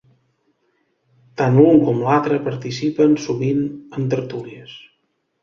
Tant l'un com l'altre participen sovint en tertúlies.